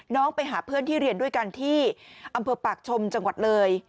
ไปหาเพื่อนที่เรียนด้วยกันที่อำเภอปากชมจังหวัดเลย